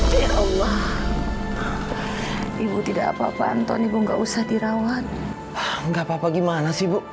cewek ridha toki menjadi